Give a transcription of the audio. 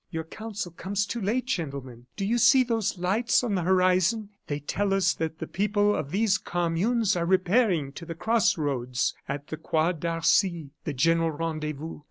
Your counsel comes too late, gentlemen. Do you see those lights on the horizon? They tell us that the people of these communes are repairing to the cross roads at the Croix d'Arcy, the general rendezvous.